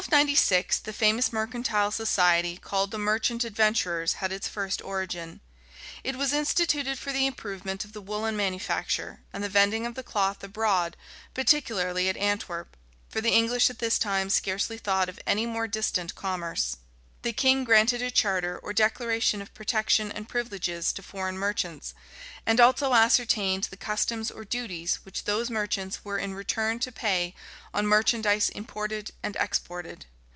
In 1296, the famous mercantile society, called the "merchant adventurers," had its first origin: it was instituted for the improvement of the woollen manufacture, and the vending of the cloth abroad, particularly at Antwerp:[*] for the English at this time scarcely thought of any more distant commerce. This king granted a charter or declaration of protection and privileges to foreign merchants, and also ascertained the customs or duties which those merchants were in return to pay on merchandise imported and exported.